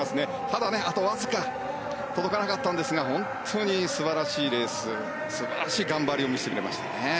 ただ、あとわずか届かなかったんですが本当に素晴らしいレース素晴らしい頑張りを見せてくれましたね。